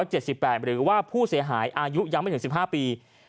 หรือว่าผู้เสียหายอายุยังไม่ถึง๑๕ปี